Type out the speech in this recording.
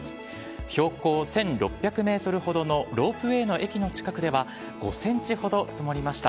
標高１６００メートルほどのロープウエーの駅の近くでは、５センチほど積もりました。